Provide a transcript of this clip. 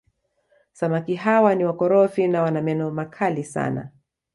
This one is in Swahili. Samaki hawa ni wakorofi na wana meno makali sana